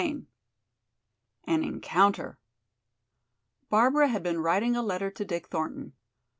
CHAPTER IV An Encounter Barbara had been writing a letter to Dick Thornton.